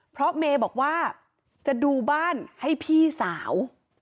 เพราะเมย์บอกว่าจะดูบ้านให้พี่สาว